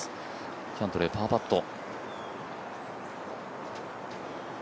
キャントレー、パーパット。